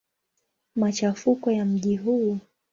Machafuko ya mji huu.